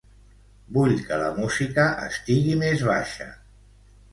Vull que la música estigui més baixa.